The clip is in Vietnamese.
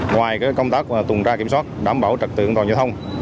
ngoài công tác tùng tra kiểm soát đảm bảo trật tượng an toàn giao thông